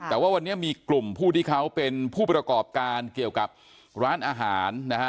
แต่ว่าวันนี้มีกลุ่มผู้ที่เขาเป็นผู้ประกอบการเกี่ยวกับร้านอาหารนะฮะ